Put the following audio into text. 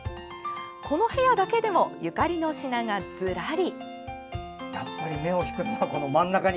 この部屋だけでもゆかりの品が、ずらり。